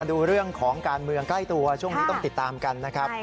ดูเรื่องของการเมืองใกล้ตัวช่วงนี้ต้องติดตามกันนะครับ